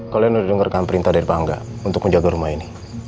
kalian sudah dengarkan perintah dari bangga untuk menjaga rumah ini